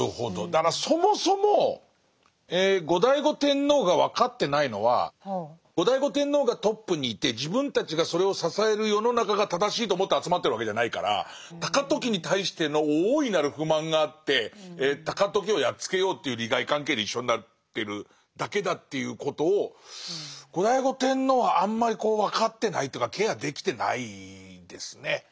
だからそもそも後醍醐天皇が分かってないのは後醍醐天皇がトップにいて自分たちがそれを支える世の中が正しいと思って集まってるわけじゃないから高時に対しての大いなる不満があって高時をやっつけようという利害関係で一緒になってるだけだということを後醍醐天皇はあんまり分かってないというかケアできてないですね。